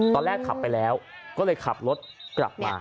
ตอนแรกขับไปแล้วก็เลยขับรถกลับมา